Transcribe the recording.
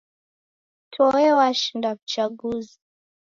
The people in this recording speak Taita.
Toe washinda w'uchaguzi.